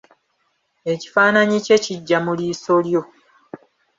Ekifaananyi kye kijja mu liiso lyo.